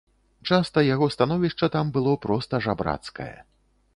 Часта яго становішча там было проста жабрацкае.